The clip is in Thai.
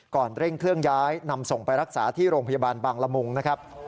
เร่งเครื่องย้ายนำส่งไปรักษาที่โรงพยาบาลบางละมุงนะครับ